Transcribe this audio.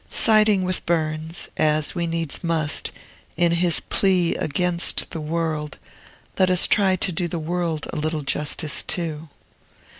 Siding with Burns, as we needs must, in his plea against the world, let us try to do the world a little justice too.